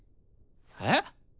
えっ？